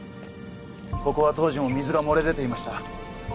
ここは当時も水が漏れ出ていました。